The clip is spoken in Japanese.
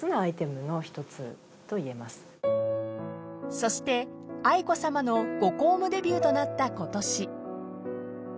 ［そして愛子さまのご公務デビューとなった今年］